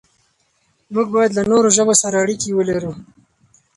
موږ بايد له نورو ژبو سره اړيکې ولرو.